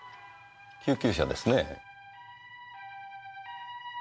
救急車ですねぇ。